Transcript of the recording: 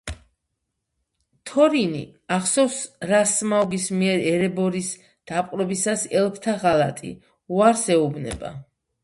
თორინი, ახსოვს რა სმაუგის მიერ ერებორის დაპყრობისას ელფთა ღალატი, უარს ეუბნება.